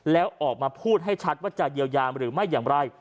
แล้วออกมาพูดให้ชัดว่าจะเยียวยาหรือไม่อย่างไร